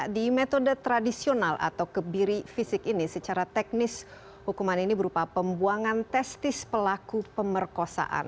di metode tradisional atau kebiri fisik ini secara teknis hukuman ini berupa pembuangan testis pelaku pemerkosaan